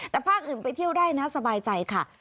แต่ภาคอื่นไปเที่ยวได้นะสบายใจค่ะ